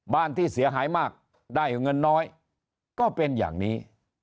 ที่เสียหายมากได้เงินน้อยก็เป็นอย่างนี้